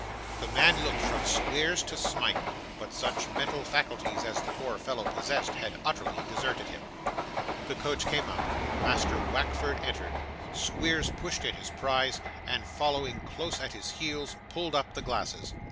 The man looked from Squeers to Smike; but such mental faculties as the poor fellow possessed, had utterly deserted him. The coach came up; Master Wackford entered; Squeers pushed in his prize, and following close at his heels, pulled up the glasses.